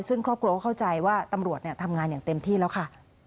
ซึ่งครอบครัวก็เข้าใจว่าตำรวจทำงานอย่างเต็มที่แล้วค่ะ